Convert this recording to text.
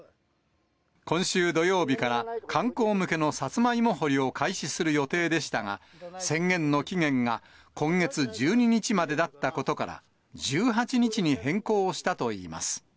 今週土曜日から観光向けのさつまいも掘りを開始する予定でしたが、宣言の期限が今月１２日までだったことから、１８日に変更したといいます。